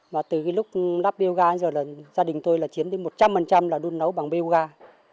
và từ lúc lắp biogar giờ là gia đình tôi là chiến đến một trăm linh là đun nấu bằng biogar